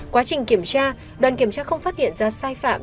quá trình kiểm tra đoàn kiểm tra không phát hiện ra sai phạm trong những nội dung